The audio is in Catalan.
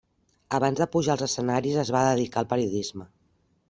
Abans de pujar als escenaris es va dedicar al periodisme.